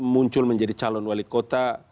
muncul menjadi calon wali kota